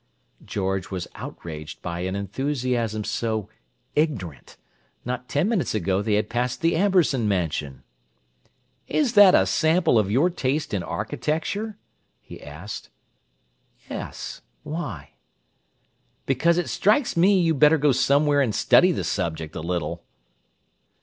George was outraged by an enthusiasm so ignorant—not ten minutes ago they had passed the Amberson Mansion. "Is that a sample of your taste in architecture?" he asked. "Yes. Why?" "Because it strikes me you better go somewhere and study the subject a little!"